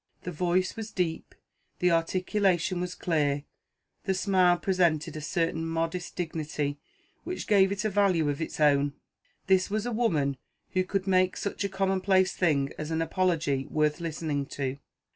The voice was deep; the articulation was clear; the smile presented a certain modest dignity which gave it a value of its own. This was a woman who could make such a commonplace thing as an apology worth listening to.